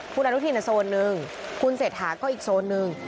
คุณอันทุกทีเนี่ยโซนหนึ่งคุณเศรษฐาก็อีกโซนหนึ่ง